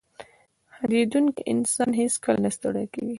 • خندېدونکی انسان هیڅکله نه ستړی کېږي.